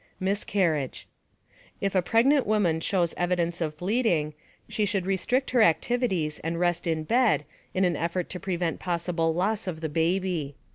MISCARRIAGE If a pregnant woman shows evidence of bleeding, she should restrict her activities and rest in bed in an effort to prevent possible loss of the baby.